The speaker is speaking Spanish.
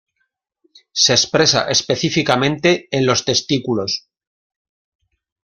Se expresa específicamente en los testículos.